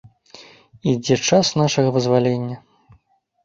Ідзе час нашага вызвалення!